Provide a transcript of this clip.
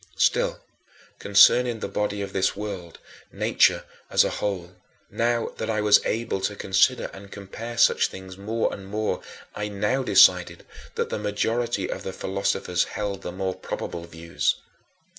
Still, concerning the body of this world, nature as a whole now that I was able to consider and compare such things more and more I now decided that the majority of the philosophers held the more probable views.